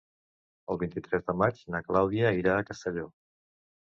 El vint-i-tres de maig na Clàudia irà a Castelló.